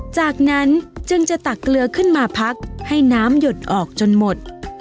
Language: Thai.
จากนั้นจึงจะตักเกลือขึ้นมาพักให้น้ำหยดออกจนหมด